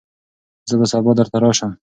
زه به سبا درته راشم.